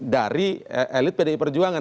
dari elit pdi perjurut pertama